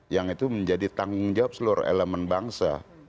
yang itu menjadi tanggung jawab seluruh elemen bangsa